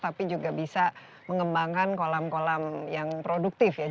tapi juga bisa mengembangkan kolam kolam yang produktif ya